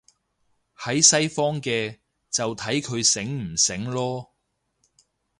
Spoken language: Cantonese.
喺西方嘅，就睇佢醒唔醒囉